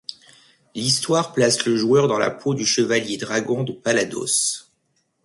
L'histoire place le joueur dans la peau du Chevalier Dragon de Palados.